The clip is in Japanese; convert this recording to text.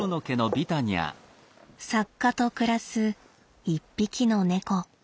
作家と暮らす一匹の猫。